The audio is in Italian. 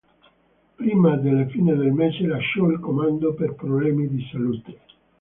Prima della fine del mese lasciò il comando per problemi di salute.